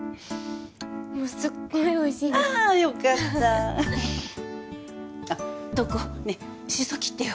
もうすっごいおいしいですあよかったあっ瞳子ねえしそ切ってよ